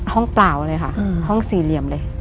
เปล่าเลยค่ะห้องสี่เหลี่ยมเลย